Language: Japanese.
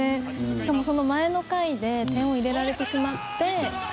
しかも、その前の回で点を入れられてしまって。